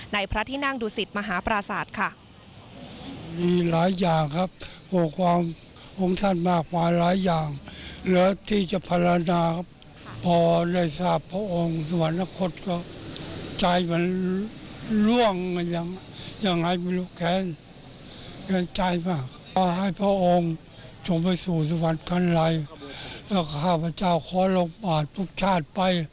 ในพระที่นั่งดุสิตมหาปราสาท